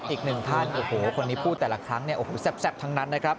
อีกหนึ่งท่านโอ้โหคนนี้พูดแต่ละครั้งเนี่ยโอ้โหแซ่บทั้งนั้นนะครับ